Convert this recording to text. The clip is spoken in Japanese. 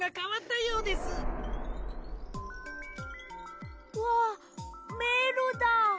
うわっめいろだ。